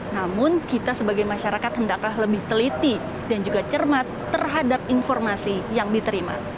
namun kita sebagai masyarakat hendaklah lebih teliti dan juga cermat terhadap informasi yang diterima